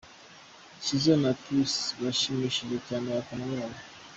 Shizzo na T Wise bashimishije cyane abafana babo.